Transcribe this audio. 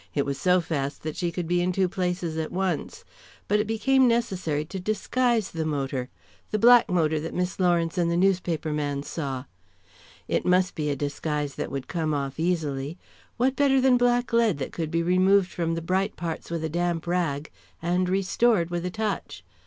It was so fast that she could be in two places at once. But it became necessary to disguise the motor the black motor that Miss Lawrence and the newspaper man saw. It must be a disguise that would come off easily. What better than blacklead, that could be removed from the bright parts with a damp rag and restored with a touch?